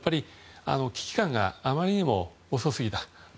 危機感があまりにも遅すぎた。